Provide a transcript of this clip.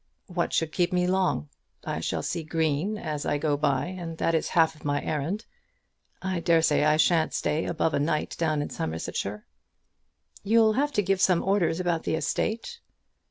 "What should keep me long? I shall see Green as I go by, and that is half of my errand. I dare say I shan't stay above a night down in Somersetshire." "You'll have to give some orders about the estate."